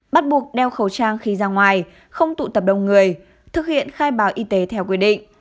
bắt buộc đeo khẩu trang khi ra ngoài không tụ tập đông người thực hiện khai báo y tế theo quy định